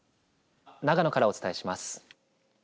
長野からお伝えします。